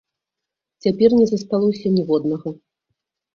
Цяпер не засталося ніводнага.